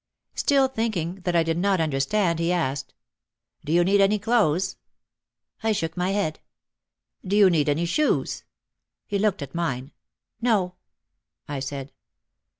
Still thinking that I did not understand he asked : "Do you need any clothes?" I shook my head. "Do you need any shoes?" He looked at mine. "No," I said.